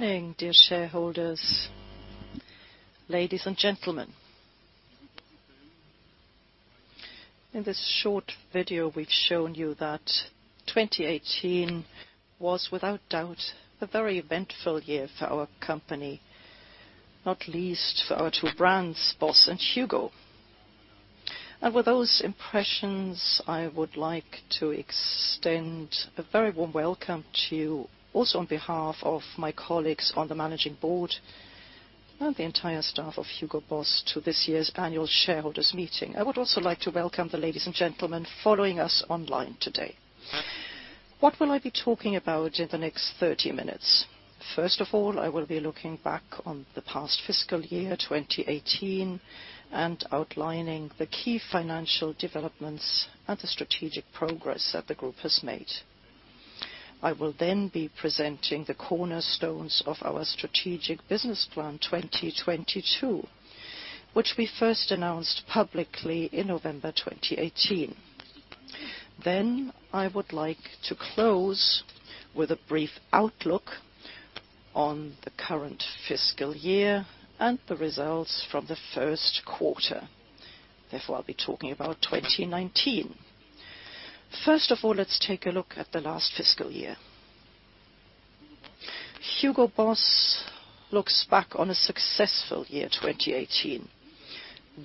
Morning, dear shareholders, ladies and gentlemen. In this short video, we've shown you that 2018 was without doubt a very eventful year for our company, not least for our two brands, Boss and Hugo. With those impressions, I would like to extend a very warm welcome to you, also on behalf of my colleagues on the managing board and the entire staff of Hugo Boss, to this year's annual shareholders meeting. I would also like to welcome the ladies and gentlemen following us online today. What will I be talking about in the next 30 minutes? First of all, I will be looking back on the past fiscal year, 2018, and outlining the key financial developments and the strategic progress that the group has made. I will be presenting the cornerstones of our strategic business plan 2022, which we first announced publicly in November 2018. I would like to close with a brief outlook on the current fiscal year and the results from the first quarter. Therefore, I'll be talking about 2019. First of all, let's take a look at the last fiscal year. Hugo Boss looks back on a successful year 2018.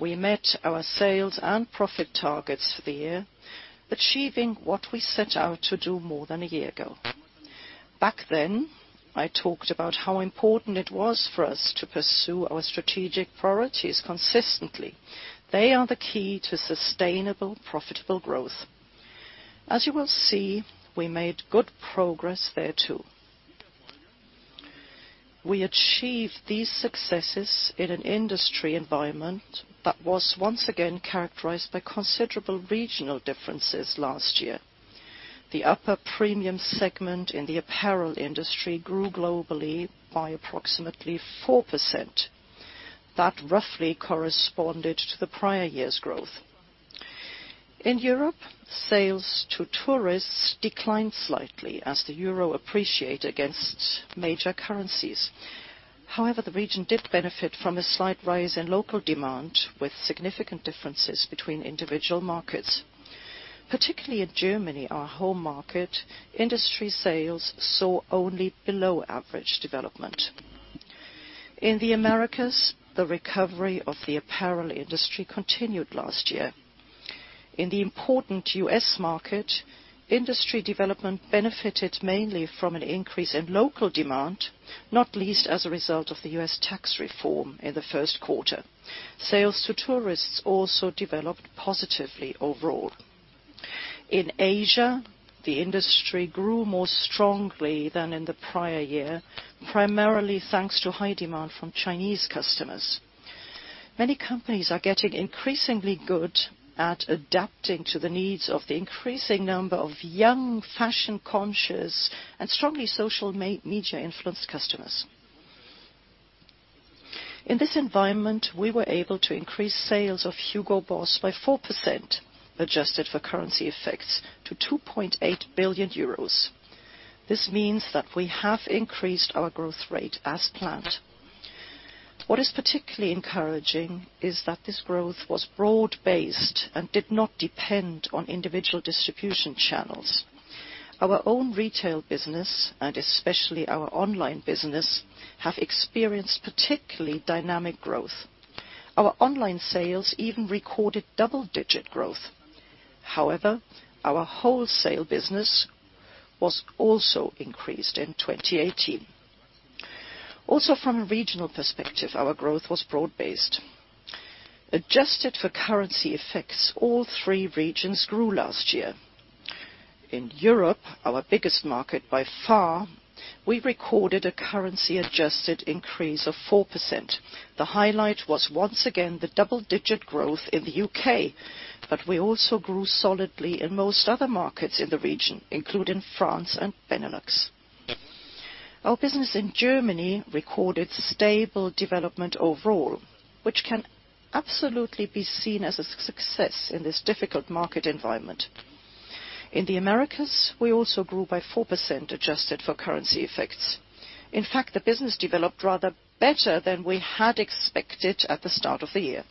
We met our sales and profit targets for the year, achieving what we set out to do more than a year ago. Back then, I talked about how important it was for us to pursue our strategic priorities consistently. They are the key to sustainable, profitable growth. As you will see, we made good progress there, too. We achieved these successes in an industry environment that was once again characterized by considerable regional differences last year. The upper premium segment in the apparel industry grew globally by approximately 4%. That roughly corresponded to the prior year's growth. In Europe, sales to tourists declined slightly as the EUR appreciated against major currencies. The region did benefit from a slight rise in local demand, with significant differences between individual markets. Particularly in Germany, our home market, industry sales saw only below-average development. In the Americas, the recovery of the apparel industry continued last year. In the important U.S. market, industry development benefited mainly from an increase in local demand, not least as a result of the U.S. tax reform in the first quarter. Sales to tourists also developed positively overall. In Asia, the industry grew more strongly than in the prior year, primarily thanks to high demand from Chinese customers. Many companies are getting increasingly good at adapting to the needs of the increasing number of young, fashion-conscious and strongly social media-influenced customers. In this environment, we were able to increase sales of Hugo Boss by 4%, adjusted for currency effects, to 2.8 billion euros. This means that we have increased our growth rate as planned. What is particularly encouraging is that this growth was broad-based and did not depend on individual distribution channels. Our own retail business, and especially our online business, have experienced particularly dynamic growth. Our online sales even recorded double-digit growth. Our wholesale business was also increased in 2018. From a regional perspective, our growth was broad-based. Adjusted for currency effects, all three regions grew last year. In Europe, our biggest market by far, we recorded a currency-adjusted increase of 4%. The highlight was, once again, the double-digit growth in the U.K., but we also grew solidly in most other markets in the region, including France and Benelux. Our business in Germany recorded stable development overall, which can absolutely be seen as a success in this difficult market environment. In the Americas, we also grew by 4%, adjusted for currency effects. In fact, the business developed rather better than we had expected at the start of the year.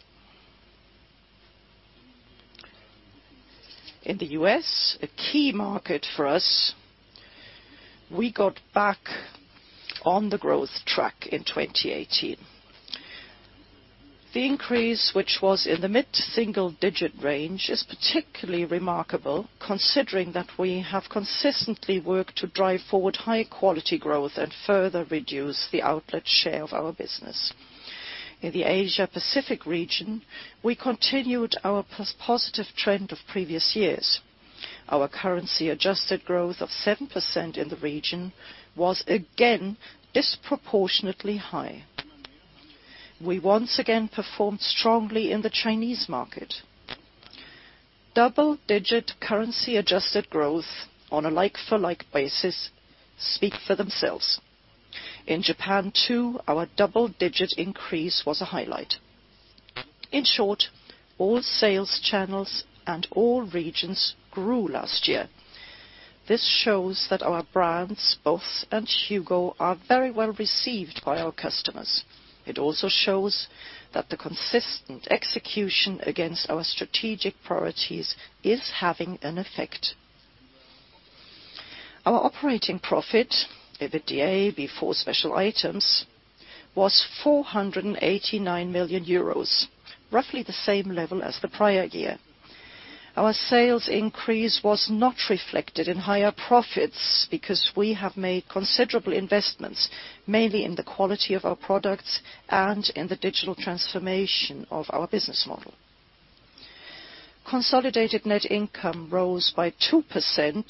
In the U.S., a key market for us, we got back on the growth track in 2018. The increase, which was in the mid-to-single-digit range, is particularly remarkable considering that we have consistently worked to drive forward high-quality growth and further reduce the outlet share of our business. In the Asia-Pacific region, we continued our positive trend of previous years. Our currency-adjusted growth of 7% in the region was again disproportionately high. We once again performed strongly in the Chinese market. Double-digit currency-adjusted growth on a like-for-like basis speak for themselves. In Japan, too, our double-digit increase was a highlight. All sales channels and all regions grew last year. This shows that our brands, Boss and Hugo, are very well received by our customers. It also shows that the consistent execution against our strategic priorities is having an effect. Our operating profit, EBITDA before special items, was 489 million euros, roughly the same level as the prior year. Our sales increase was not reflected in higher profits because we have made considerable investments, mainly in the quality of our products and in the digital transformation of our business model. Consolidated net income rose by 2%,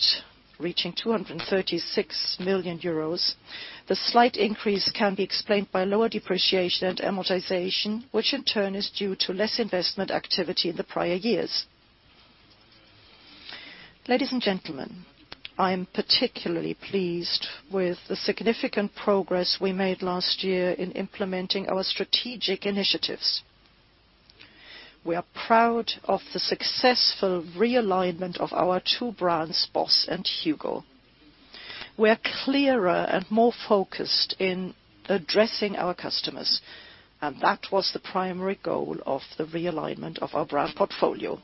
reaching 236 million euros. The slight increase can be explained by lower depreciation and amortization, which in turn is due to less investment activity in the prior years. Ladies and gentlemen, I am particularly pleased with the significant progress we made last year in implementing our strategic initiatives. We are proud of the successful realignment of our two brands, Boss and Hugo. We are clearer and more focused in addressing our customers, and that was the primary goal of the realignment of our brand portfolio.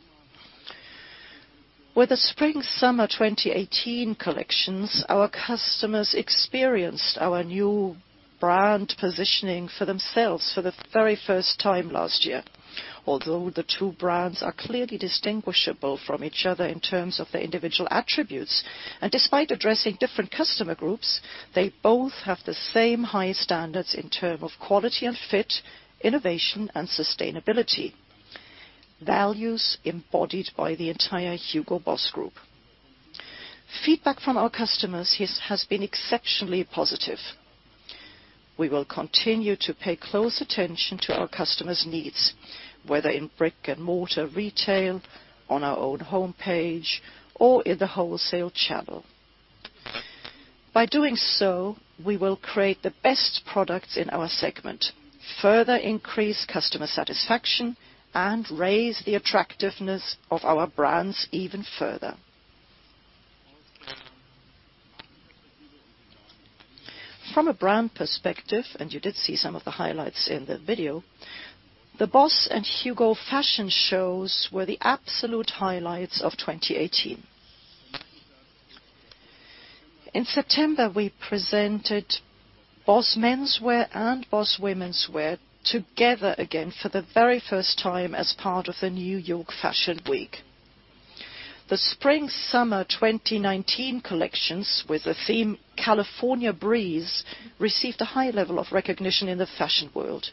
With the spring-summer 2018 collections, our customers experienced our new brand positioning for themselves for the very first time last year. Although the two brands are clearly distinguishable from each other in terms of their individual attributes, and despite addressing different customer groups, they both have the same high standards in terms of quality and fit, innovation, and sustainability, values embodied by the entire Hugo Boss group. Feedback from our customers has been exceptionally positive. We will continue to pay close attention to our customers' needs, whether in brick-and-mortar retail, on our own homepage, or in the wholesale channel. By doing so, we will create the best products in our segment, further increase customer satisfaction, and raise the attractiveness of our brands even further. From a brand perspective, and you did see some of the highlights in the video, the Boss and Hugo fashion shows were the absolute highlights of 2018. In September, we presented Boss menswear and Boss womenswear together again for the very first time as part of the New York Fashion Week. The spring-summer 2019 collections, with the theme California Breeze, received a high level of recognition in the fashion world.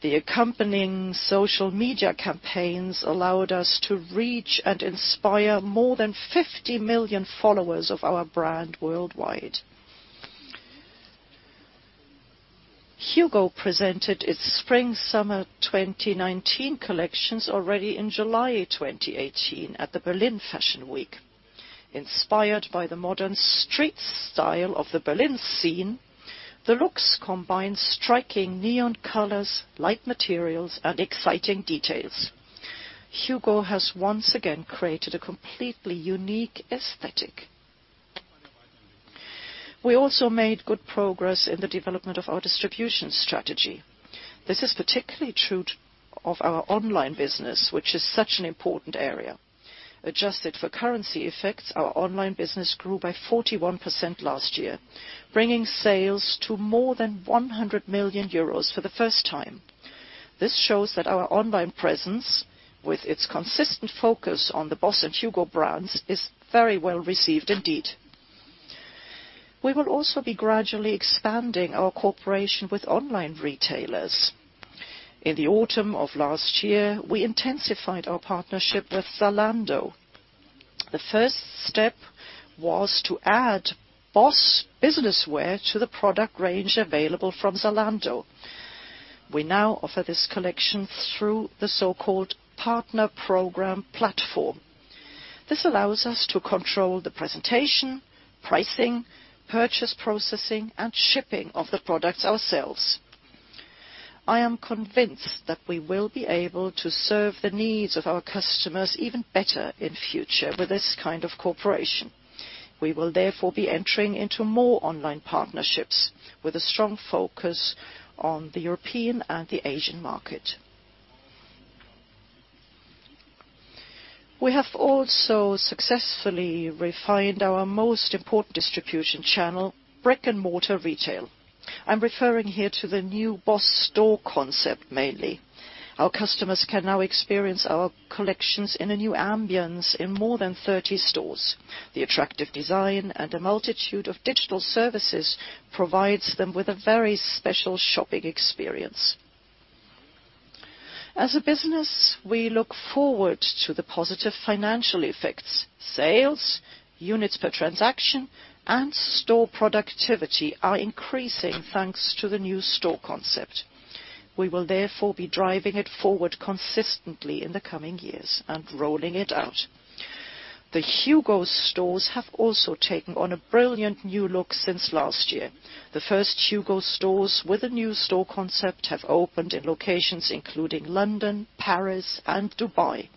The accompanying social media campaigns allowed us to reach and inspire more than 50 million followers of our brand worldwide. Hugo presented its Spring/Summer 2019 collections already in July 2018 at the Berlin Fashion Week. Inspired by the modern street style of the Berlin scene, the looks combine striking neon colors, light materials, and exciting details. Hugo has once again created a completely unique aesthetic. We also made good progress in the development of our distribution strategy. This is particularly true of our online business, which is such an important area. Adjusted for currency effects, our online business grew by 41% last year, bringing sales to more than 100 million euros for the first time. This shows that our online presence, with its consistent focus on the Boss and Hugo brands, is very well received indeed. We will also be gradually expanding our cooperation with online retailers. In the autumn of last year, we intensified our partnership with Zalando. The first step was to add Boss business wear to the product range available from Zalando. We now offer this collection through the so-called Partner Program Platform. This allows us to control the presentation, pricing, purchase processing, and shipping of the products ourselves. I am convinced that we will be able to serve the needs of our customers even better in future with this kind of cooperation. We will therefore be entering into more online partnerships with a strong focus on the European and the Asian market. We have also successfully refined our most important distribution channel, brick-and-mortar retail. I'm referring here to the new Boss store concept mainly. Our customers can now experience our collections in a new ambience in more than 30 stores. The attractive design and a multitude of digital services provides them with a very special shopping experience. As a business, we look forward to the positive financial effects. Sales, units per transaction, and store productivity are increasing, thanks to the new store concept. We will therefore be driving it forward consistently in the coming years and rolling it out. The Hugo stores have also taken on a brilliant new look since last year. The first Hugo stores with a new store concept have opened in locations including London, Paris, and Dubai.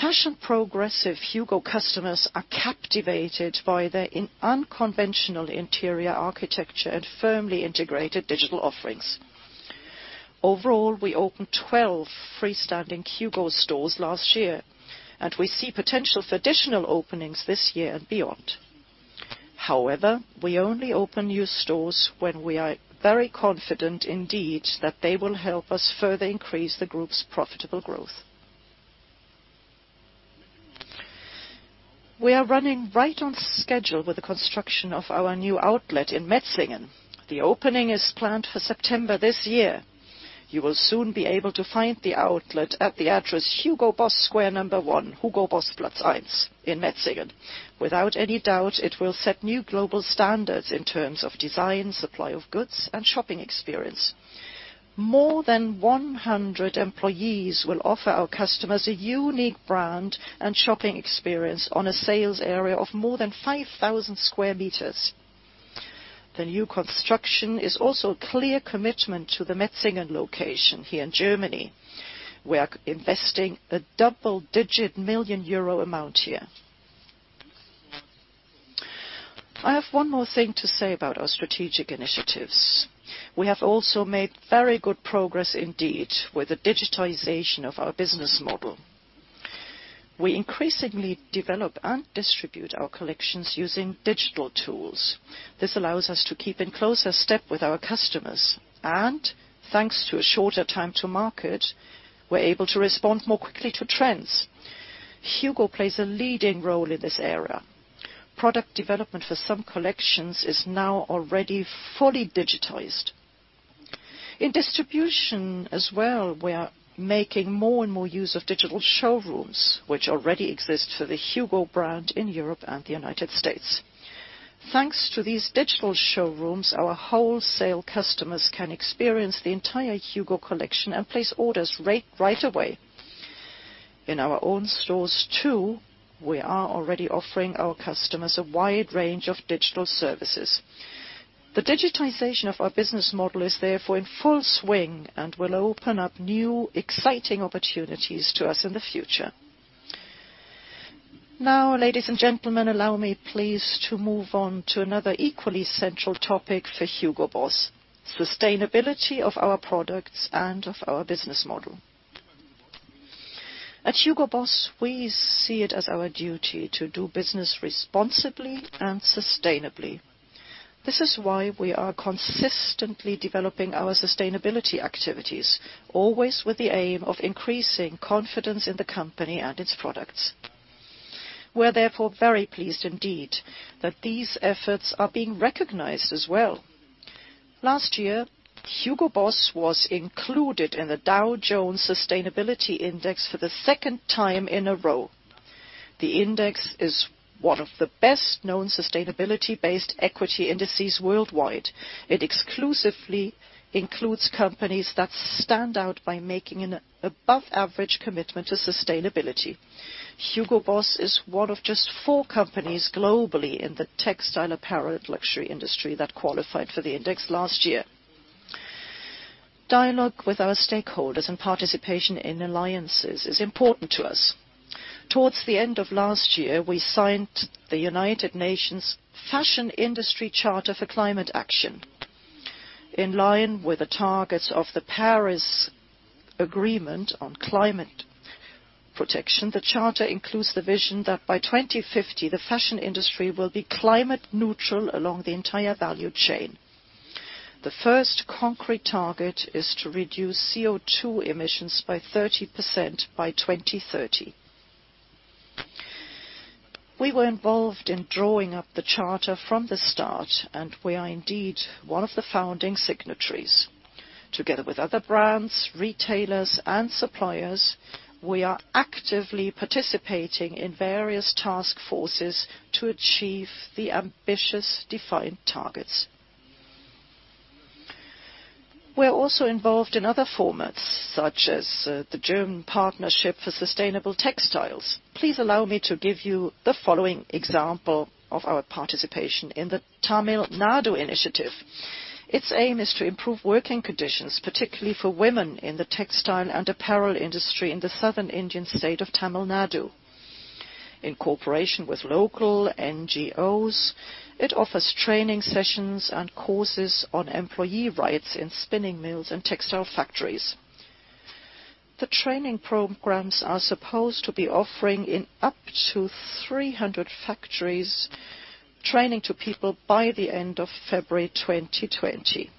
Fashion progressive Hugo customers are captivated by their unconventional interior architecture and firmly integrated digital offerings. Overall, we opened 12 freestanding Hugo stores last year, and we see potential for additional openings this year and beyond. However, we only open new stores when we are very confident indeed that they will help us further increase the group's profitable growth. We are running right on schedule with the construction of our new outlet in Metzingen. The opening is planned for September this year. You will soon be able to find the outlet at the address, Hugo Boss Square number 1, Hugo Boss Platz Eins in Metzingen. Without any doubt, it will set new global standards in terms of design, supply of goods, and shopping experience. More than 100 employees will offer our customers a unique brand and shopping experience on a sales area of more than 5,000 sq m. The new construction is also a clear commitment to the Metzingen location here in Germany. We are investing a double-digit million EUR amount here. I have one more thing to say about our strategic initiatives. We have also made very good progress indeed with the digitization of our business model. We increasingly develop and distribute our collections using digital tools. This allows us to keep in closer step with our customers and, thanks to a shorter time to market, we are able to respond more quickly to trends. Hugo plays a leading role in this area. Product development for some collections is now already fully digitized. In distribution as well, we are making more and more use of digital showrooms, which already exist for the Hugo brand in Europe and the U.S. Thanks to these digital showrooms, our wholesale customers can experience the entire Hugo collection and place orders right away. In our own stores, too, we are already offering our customers a wide range of digital services. The digitization of our business model is therefore in full swing and will open up new, exciting opportunities to us in the future. Ladies and gentlemen, allow me please to move on to another equally central topic for Hugo Boss, sustainability of our products and of our business model. At Hugo Boss, we see it as our duty to do business responsibly and sustainably. This is why we are consistently developing our sustainability activities, always with the aim of increasing confidence in the company and its products. We are therefore very pleased indeed that these efforts are being recognized as well. Last year, Hugo Boss was included in the Dow Jones Sustainability Index for the second time in a row. The index is one of the best-known sustainability-based equity indices worldwide. It exclusively includes companies that stand out by making an above-average commitment to sustainability. Hugo Boss is one of just four companies globally in the textile apparel luxury industry that qualified for the index last year. Dialogue with our stakeholders and participation in alliances is important to us. Towards the end of last year, we signed the United Nations Fashion Industry Charter for Climate Action. In line with the targets of the Paris Agreement on Climate Protection, the charter includes the vision that by 2050, the fashion industry will be climate neutral along the entire value chain. The first concrete target is to reduce CO2 emissions by 30% by 2030. We were involved in drawing up the charter from the start, we are indeed one of the founding signatories. Together with other brands, retailers, and suppliers, we are actively participating in various task forces to achieve the ambitious defined targets. We are also involved in other formats, such as the German Partnership for Sustainable Textiles. Please allow me to give you the following example of our participation in the Tamil Nadu initiative. Its aim is to improve working conditions, particularly for women in the textile and apparel industry in the southern Indian state of Tamil Nadu. In cooperation with local NGOs, it offers training sessions and courses on employee rights in spinning mills and textile factories. The training programs are supposed to be offering in up to 300 factories, training to people by the end of February 2020.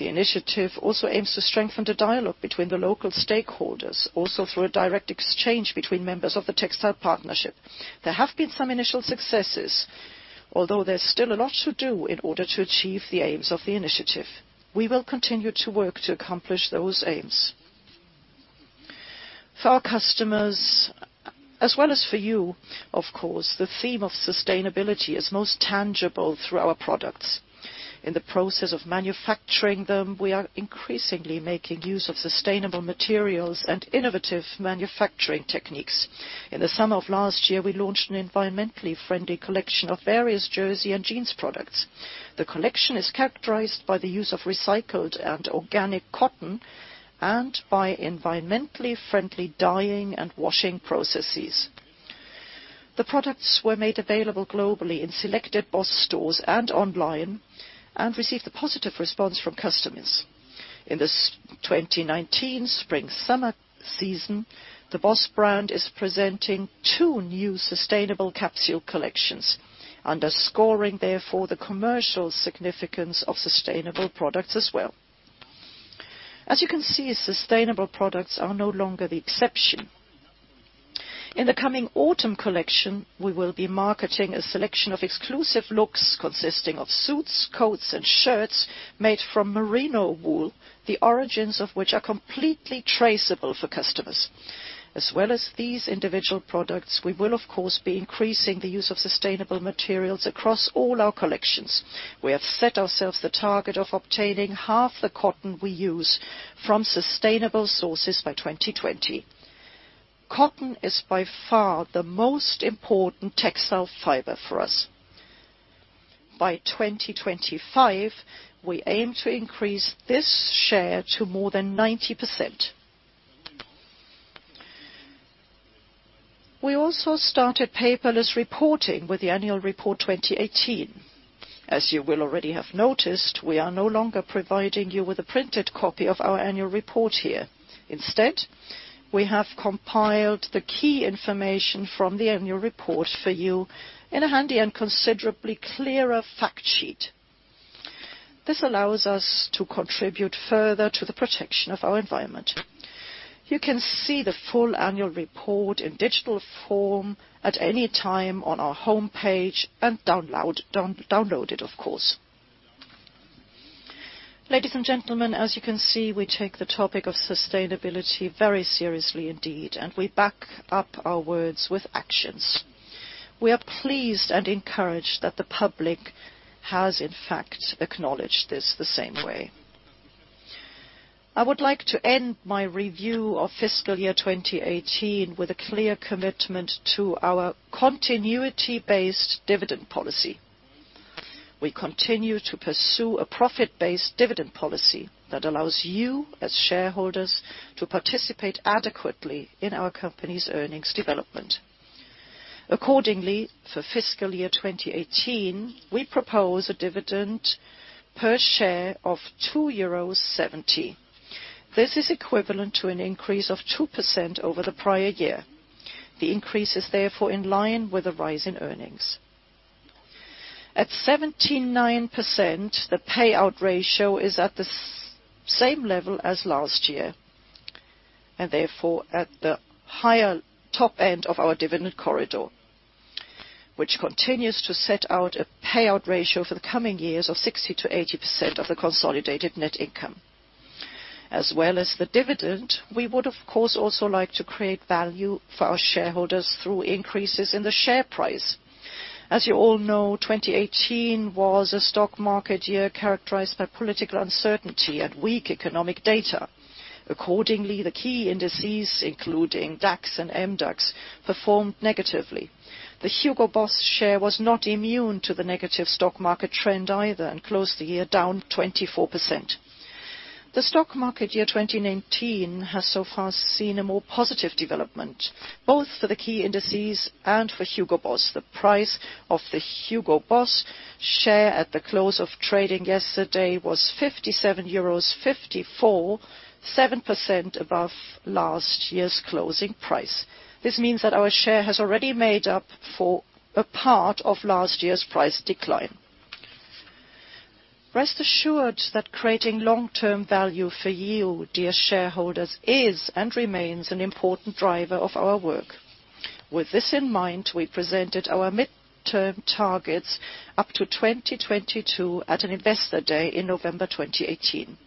The initiative also aims to strengthen the dialogue between the local stakeholders, also through a direct exchange between members of the Partnership for Sustainable Textiles. There have been some initial successes, although there's still a lot to do in order to achieve the aims of the initiative. We will continue to work to accomplish those aims. For our customers, as well as for you, of course, the theme of sustainability is most tangible through our products. In the process of manufacturing them, we are increasingly making use of sustainable materials and innovative manufacturing techniques. In the summer of last year, we launched an environmentally friendly collection of various jersey and jeans products. The collection is characterized by the use of recycled and organic cotton, and by environmentally friendly dyeing and washing processes. The products were made available globally in selected Boss stores and online, and received a positive response from customers. In the 2019 spring/summer season, the Boss brand is presenting two new sustainable capsule collections, underscoring therefore the commercial significance of sustainable products as well. As you can see, sustainable products are no longer the exception. In the coming autumn collection, we will be marketing a selection of exclusive looks consisting of suits, coats, and shirts made from merino wool, the origins of which are completely traceable for customers. As well as these individual products, we will of course be increasing the use of sustainable materials across all our collections. We have set ourselves the target of obtaining half the cotton we use from sustainable sources by 2020. Cotton is by far the most important textile fiber for us. By 2025, we aim to increase this share to more than 90%. We also started paperless reporting with the annual report 2018. As you will already have noticed, we are no longer providing you with a printed copy of our annual report here. Instead, we have compiled the key information from the annual report for you in a handy and considerably clearer fact sheet. This allows us to contribute further to the protection of our environment. You can see the full annual report in digital form at any time on our homepage, and download it, of course. Ladies and gentlemen, as you can see, we take the topic of sustainability very seriously indeed, and we back up our words with actions. We are pleased and encouraged that the public has in fact acknowledged this the same way. I would like to end my review of fiscal year 2018 with a clear commitment to our continuity-based dividend policy. We continue to pursue a profit-based dividend policy that allows you, as shareholders, to participate adequately in our company's earnings development. Accordingly, for fiscal year 2018, we propose a dividend per share of 2.70 euros. This is equivalent to an increase of 2% over the prior year. The increase is therefore in line with the rise in earnings. At 79%, the payout ratio is at the same level as last year, and therefore at the higher top end of our dividend corridor, which continues to set out a payout ratio for the coming years of 60%-80% of the consolidated net income. As well as the dividend, we would of course also like to create value for our shareholders through increases in the share price. As you all know, 2018 was a stock market year characterized by political uncertainty and weak economic data. Accordingly, the key indices, including DAX and MDAX, performed negatively. The Hugo Boss share was not immune to the negative stock market trend either, and closed the year down 24%. The stock market year 2019 has so far seen a more positive development, both for the key indices and for Hugo Boss. The price of the Hugo Boss share at the close of trading yesterday was 57.54 euros, 7% above last year's closing price. This means that our share has already made up for a part of last year's price decline. Rest assured that creating long-term value for you, dear shareholders, is and remains an important driver of our work. With this in mind, we presented our midterm targets up to 2022 at an investor day in November 2018.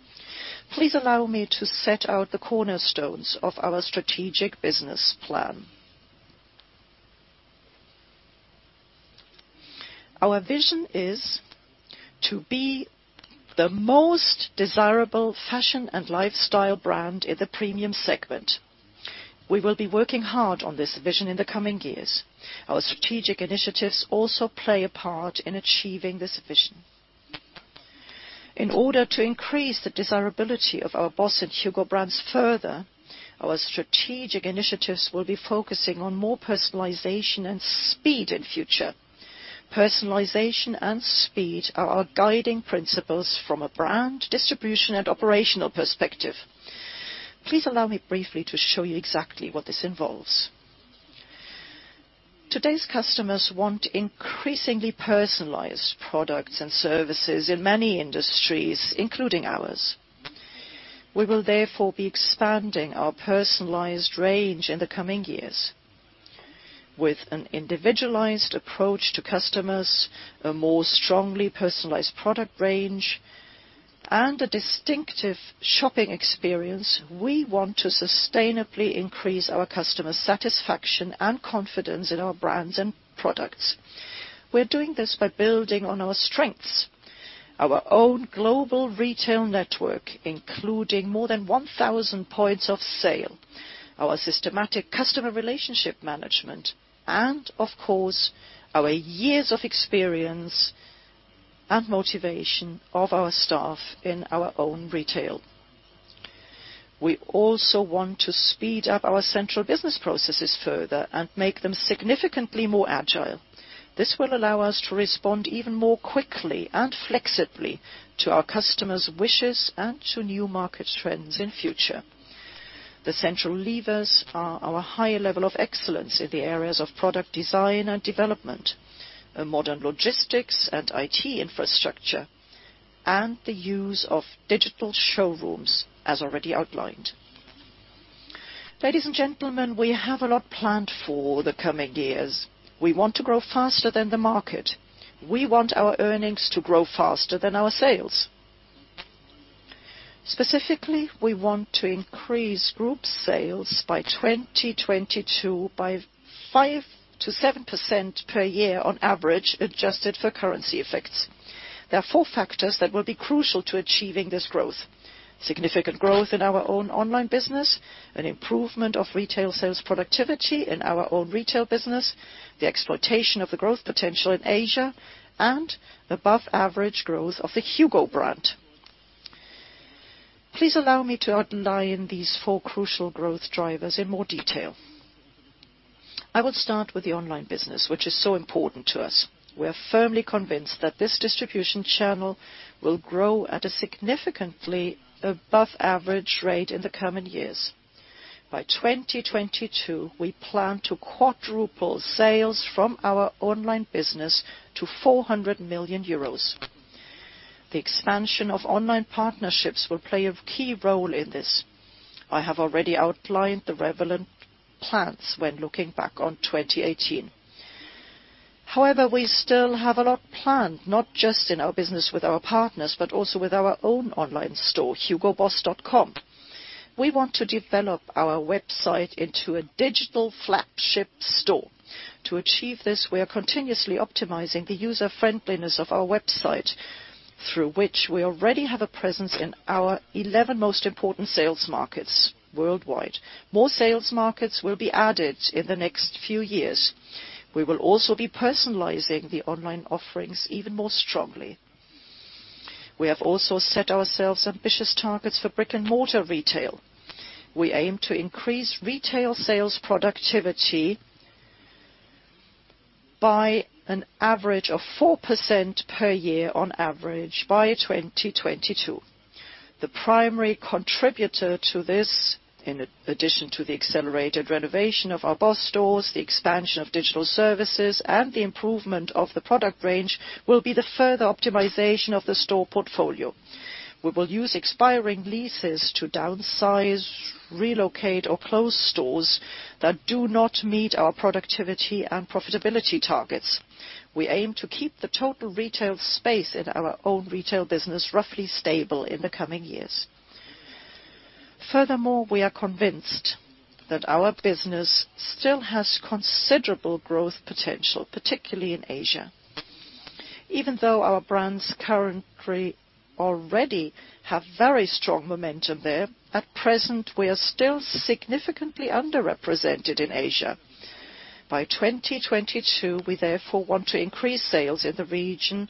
Please allow me to set out the cornerstones of our strategic business plan. Our vision is to be the most desirable fashion and lifestyle brand in the premium segment. We will be working hard on this vision in the coming years. Our strategic initiatives also play a part in achieving this vision. In order to increase the desirability of our Boss and Hugo brands further, our strategic initiatives will be focusing on more personalization and speed in future. Personalization and speed are our guiding principles from a brand, distribution, and operational perspective. Please allow me briefly to show you exactly what this involves. Today's customers want increasingly personalized products and services in many industries, including ours. We will therefore be expanding our personalized range in the coming years. With an individualized approach to customers, a more strongly personalized product range and a distinctive shopping experience, we want to sustainably increase our customer satisfaction and confidence in our brands and products. We are doing this by building on our strengths, our own global retail network, including more than 1,000 points of sale, our systematic customer relationship management, and of course, our years of experience and motivation of our staff in our own retail. We also want to speed up our central business processes further and make them significantly more agile. This will allow us to respond even more quickly and flexibly to our customers' wishes and to new market trends in future. The central levers are our high level of excellence in the areas of product design and development, modern logistics and IT infrastructure, and the use of digital showrooms as already outlined. Ladies and gentlemen, we have a lot planned for the coming years. We want to grow faster than the market. We want our earnings to grow faster than our sales. Specifically, we want to increase group sales by 2022 by 5%-7% per year on average, adjusted for currency effects. There are four factors that will be crucial to achieving this growth. Significant growth in our own online business, an improvement of retail sales productivity in our own retail business, the exploitation of the growth potential in Asia, and above-average growth of the Hugo brand. Please allow me to underline these four crucial growth drivers in more detail. I will start with the online business, which is so important to us. We are firmly convinced that this distribution channel will grow at a significantly above average rate in the coming years. By 2022, we plan to quadruple sales from our online business to 400 million euros. The expansion of online partnerships will play a key role in this. I have already outlined the relevant plans when looking back on 2018. We still have a lot planned, not just in our business with our partners, but also with our own online store, hugoboss.com. We want to develop our website into a digital flagship store. To achieve this, we are continuously optimizing the user-friendliness of our website through which we already have a presence in our 11 most important sales markets worldwide. More sales markets will be added in the next few years. We will also be personalizing the online offerings even more strongly. We have also set ourselves ambitious targets for brick-and-mortar retail. We aim to increase retail sales productivity by an average of 4% per year on average by 2022. The primary contributor to this, in addition to the accelerated renovation of our Boss stores, the expansion of digital services, and the improvement of the product range, will be the further optimization of the store portfolio. We will use expiring leases to downsize, relocate, or close stores that do not meet our productivity and profitability targets. We aim to keep the total retail space in our own retail business roughly stable in the coming years. Furthermore, we are convinced that our business still has considerable growth potential, particularly in Asia. Even though our brands currently already have very strong momentum there, at present, we are still significantly underrepresented in Asia. By 2022, we therefore want to increase sales in the region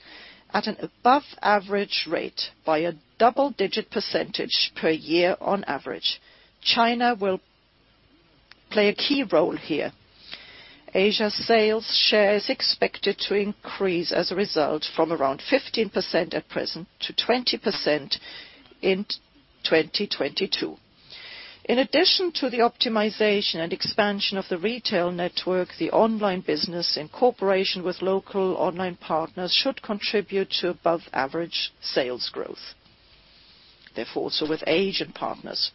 at an above-average rate by a double-digit percentage per year on average. China will play a key role here. Asia sales share is expected to increase as a result from around 15% at present to 20% in 2022. In addition to the optimization and expansion of the retail network, the online business in cooperation with local online partners should contribute to above-average sales growth. Therefore, also with Asian partners.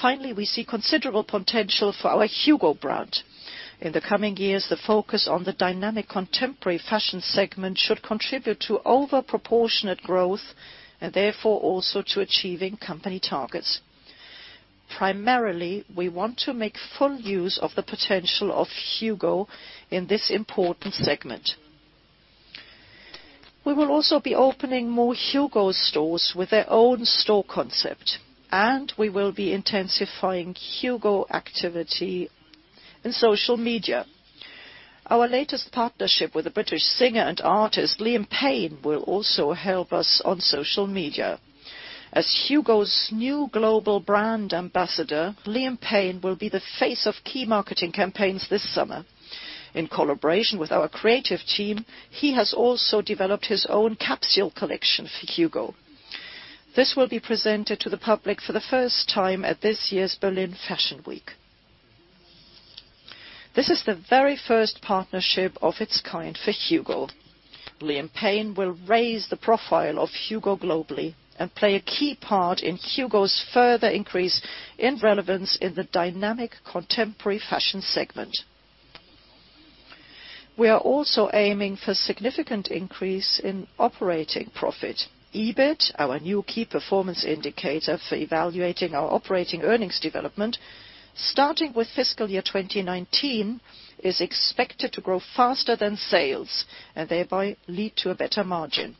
Finally, we see considerable potential for our Hugo brand. In the coming years, the focus on the dynamic contemporary fashion segment should contribute to overproportionate growth, and therefore also to achieving company targets. Primarily, we want to make full use of the potential of Hugo in this important segment. We will also be opening more Hugo stores with their own store concept, and we will be intensifying Hugo activity in social media. Our latest partnership with the British singer and artist, Liam Payne, will also help us on social media. As Hugo's new Global Brand Ambassador, Liam Payne will be the face of key marketing campaigns this summer. In collaboration with our creative team, he has also developed his own capsule collection for Hugo. This will be presented to the public for the first time at this year's Berlin Fashion Week. This is the very first partnership of its kind for Hugo. Liam Payne will raise the profile of Hugo globally and play a key part in Hugo's further increase in relevance in the dynamic contemporary fashion segment. We are also aiming for significant increase in operating profit. EBIT, our new key performance indicator for evaluating our operating earnings development, starting with fiscal year 2019, is expected to grow faster than sales and thereby lead to a better margin.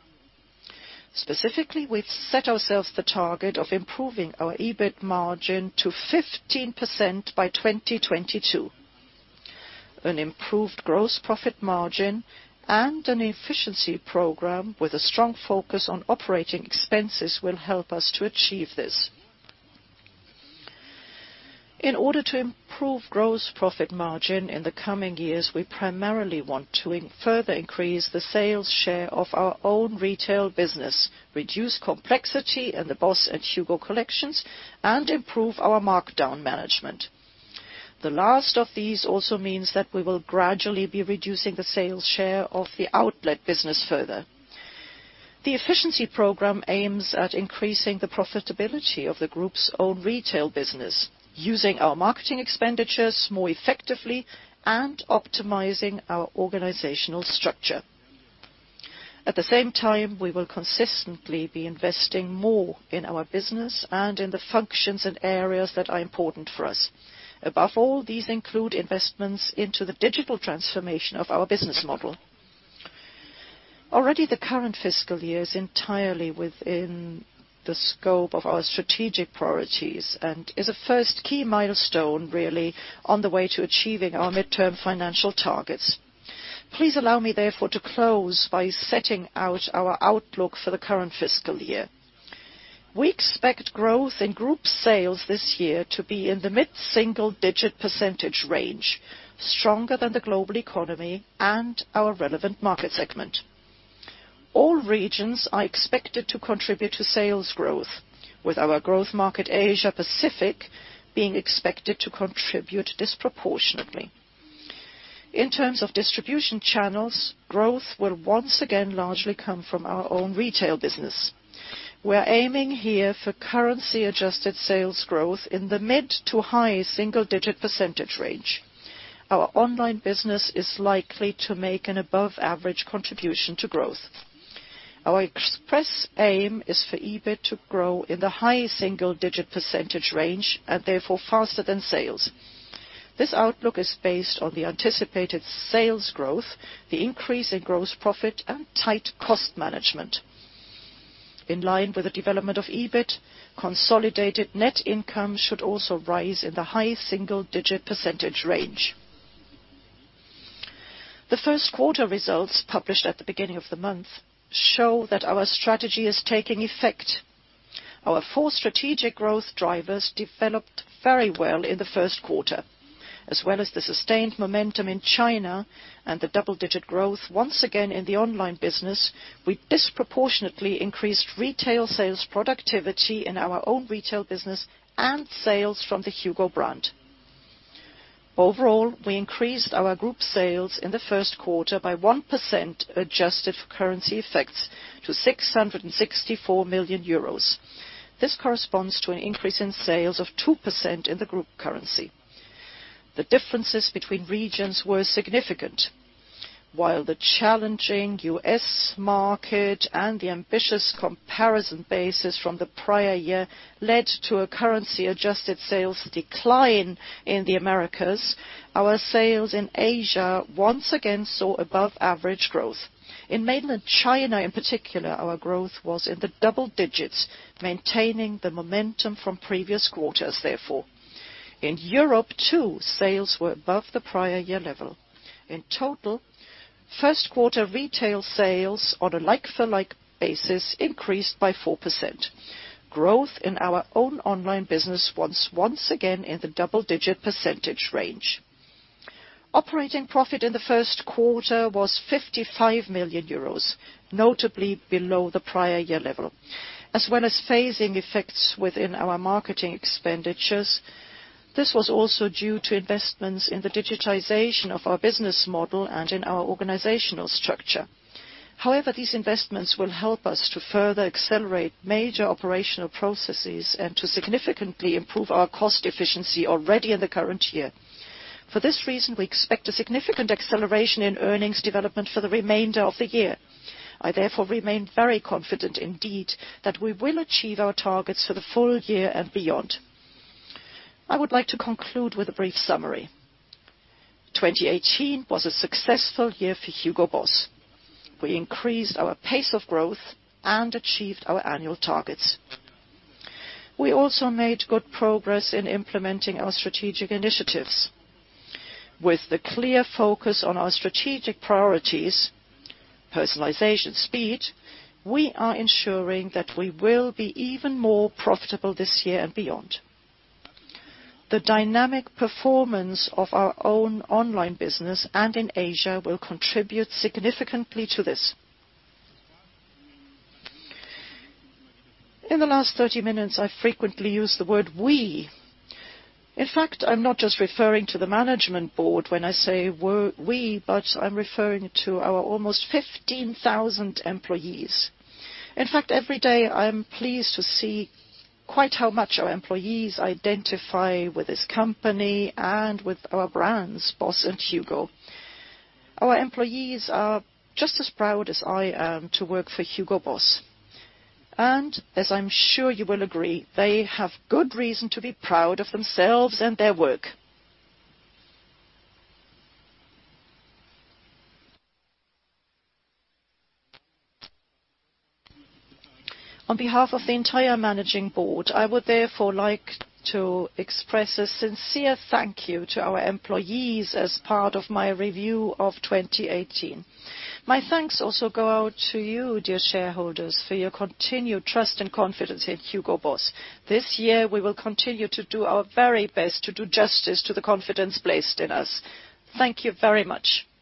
Specifically, we've set ourselves the target of improving our EBIT margin to 15% by 2022. An improved gross profit margin and an efficiency program with a strong focus on operating expenses will help us to achieve this. In order to improve gross profit margin in the coming years, we primarily want to further increase the sales share of our own retail business, reduce complexity in the Boss and Hugo collections, and improve our markdown management. The last of these also means that we will gradually be reducing the sales share of the outlet business further. The efficiency program aims at increasing the profitability of the group's own retail business, using our marketing expenditures more effectively and optimizing our organizational structure. At the same time, we will consistently be investing more in our business and in the functions and areas that are important for us. Above all, these include investments into the digital transformation of our business model. Already the current fiscal year is entirely within the scope of our strategic priorities and is a first key milestone, really, on the way to achieving our midterm financial targets. Please allow me therefore to close by setting out our outlook for the current fiscal year. We expect growth in group sales this year to be in the mid-single digit percentage range, stronger than the global economy and our relevant market segment. All regions are expected to contribute to sales growth, with our growth market Asia Pacific being expected to contribute disproportionately. In terms of distribution channels, growth will once again largely come from our own retail business. We are aiming here for currency adjusted sales growth in the mid to high single digit percentage range. Our online business is likely to make an above average contribution to growth. Our express aim is for EBIT to grow in the high single digit percentage range and therefore faster than sales. This outlook is based on the anticipated sales growth, the increase in gross profit, and tight cost management. In line with the development of EBIT, consolidated net income should also rise in the high single digit percentage range. The first quarter results published at the beginning of the month show that our strategy is taking effect. Our four strategic growth drivers developed very well in the first quarter, as well as the sustained momentum in China and the double-digit growth once again in the online business, we disproportionately increased retail sales productivity in our own retail business and sales from the Hugo brand. Overall, we increased our group sales in the first quarter by 1% adjusted for currency effects to 664 million euros. This corresponds to an increase in sales of 2% in the group currency. The differences between regions were significant. While the challenging U.S. market and the ambitious comparison basis from the prior year led to a currency-adjusted sales decline in the Americas, our sales in Asia once again saw above average growth. In mainland China, in particular, our growth was in the double digits, maintaining the momentum from previous quarters, therefore. In Europe, too, sales were above the prior year level. In total, first quarter retail sales on a like-for-like basis increased by 4%. Growth in our own online business was once again in the double digit percentage range. Operating profit in the first quarter was 55 million euros, notably below the prior year level. As well as phasing effects within our marketing expenditures, this was also due to investments in the digitization of our business model and in our organizational structure. However, these investments will help us to further accelerate major operational processes and to significantly improve our cost efficiency already in the current year. For this reason, we expect a significant acceleration in earnings development for the remainder of the year. I therefore remain very confident indeed that we will achieve our targets for the full year and beyond. I would like to conclude with a brief summary. 2018 was a successful year for Hugo Boss. We increased our pace of growth and achieved our annual targets. We also made good progress in implementing our strategic initiatives. With the clear focus on our strategic priorities, personalization speed, we are ensuring that we will be even more profitable this year and beyond. The dynamic performance of our own online business and in Asia will contribute significantly to this. In the last 30 minutes, I frequently used the word we. In fact, I'm not just referring to the management board when I say we, but I'm referring to our almost 15,000 employees. In fact, every day I am pleased to see quite how much our employees identify with this company and with our brands, Boss and Hugo. Our employees are just as proud as I am to work for Hugo Boss. As I'm sure you will agree, they have good reason to be proud of themselves and their work. On behalf of the entire managing board, I would therefore like to express a sincere thank you to our employees as part of my review of 2018. My thanks also go out to you, dear shareholders, for your continued trust and confidence in Hugo Boss. This year, we will continue to do our very best to do justice to the confidence placed in us. Thank you very much